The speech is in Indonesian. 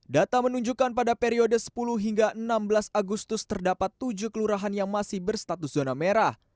data menunjukkan pada periode sepuluh hingga enam belas agustus terdapat tujuh kelurahan yang masih berstatus zona merah